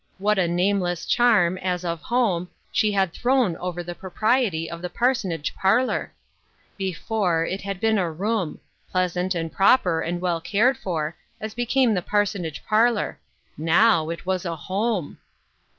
What a nameless charm, as of home, she had thrown over the propriety of the parsonage parlor ! Be fore, it had been a room — pleasant and proper, and well cared for, as became the parsonage par lor — now, it was home